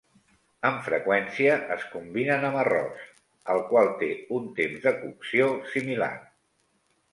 Amb freqüència es combinen amb arròs, el qual té un temps de cocció similar.